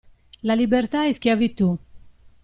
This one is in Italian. La libertà è schiavitù.